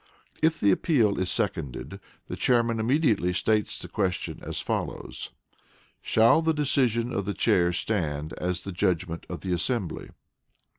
If the Appeal is seconded, the Chairman immediately states the question as follows: "Shall the decision of the Chair stand as the judgement of the assembly?"